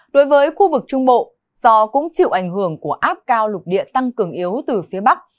đối với khu vực trung bộ do cũng chịu ảnh hưởng của áp cao lục địa tăng cường yếu từ phía bắc